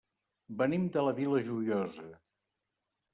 Venim de la Vila Joiosa.